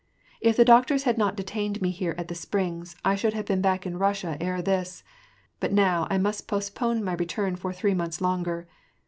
If the doctors had not detained me here at the springs, I should have been back in Russia ere this ; but now I must postpone my return for three months longer.